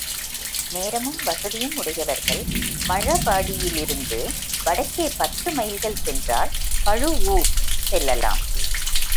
நேரமும் வசதியும் உடையவர்கள் மழபாடியிலிருந்து வடக்கே பத்து மைல்கள் சென்றால் பழுவூர் செல்லலாம்.